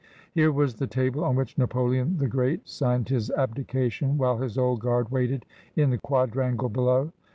Here was the table on which Napoleon the Great signed his abdication, while his Old Guard waited in the quadrangle below.